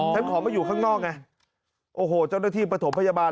ขอมาอยู่ข้างนอกไงโอ้โหเจ้าหน้าที่ประถมพยาบาล